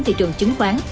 thị trường chứng khoán